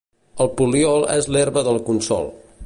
El poliol és l'herba del consol.